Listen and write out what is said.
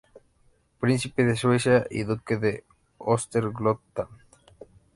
Príncipe de Suecia y duque de Östergötland.